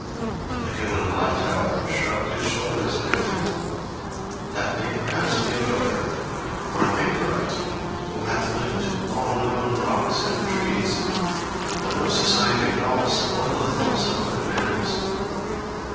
The king on the left, however, shrugged his shoulders and answered: "That may perhaps be a goat herd. Or an anchorite who hath lived too long among rocks and trees. For no society at all spoileth also good manners."